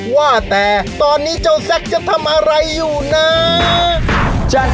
ว่าแต่ตอนนี้เจ้าแซคจะทำอะไรอยู่นะ